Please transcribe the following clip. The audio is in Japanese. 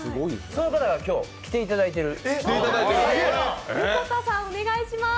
その方が今日、来ていただいています。